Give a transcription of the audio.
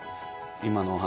今のお話。